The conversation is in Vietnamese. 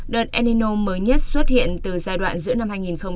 đợt enino mới nhất xuất hiện từ giai đoạn giữa năm hai nghìn hai mươi ba